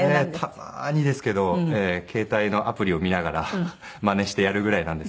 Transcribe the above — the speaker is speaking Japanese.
たまーにですけど携帯のアプリを見ながらマネしてやるぐらいなんですけど。